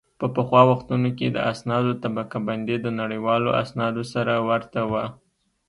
په پخوا وختونو کې د اسنادو طبقه بندي د نړیوالو اسنادو سره ورته وه